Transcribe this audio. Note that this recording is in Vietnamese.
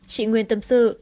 chị nguyên tâm sự